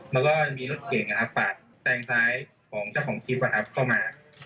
แล้วก็มีรถเก่งปาดแซงซ้ายของเจ้าของคลิปเข้ามา